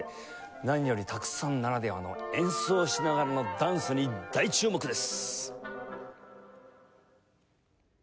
何より多久さんならではの演奏しながらのダンスに大注目です！